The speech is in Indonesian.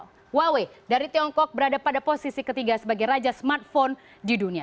huawei dari tiongkok berada pada posisi ketiga sebagai raja smartphone di dunia